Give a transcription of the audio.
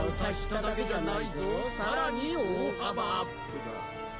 さらに大幅アップだ。